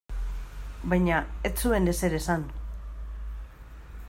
Baina ez zuen ezer esan.